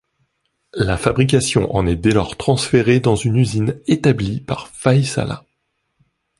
La fabrication en est dès lors transférée dans une usine établie par Väisälä.